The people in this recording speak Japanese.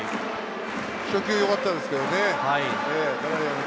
初球、よかったですけどね。